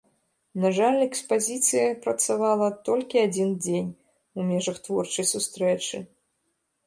На жаль, экспазіцыя працавала толькі адзін дзень у межах творчай сустрэчы.